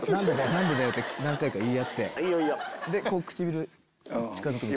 何でだよ！って何回か言い合ってそれで唇近づける。